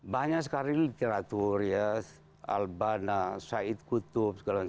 banyak sekali literatur ya albana syed qutub segala macam